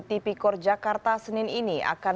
tipikor jakarta senin ini akan